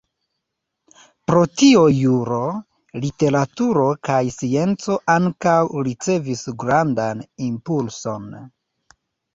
Pro tio juro, literaturo kaj scienco ankaŭ ricevis grandan impulson.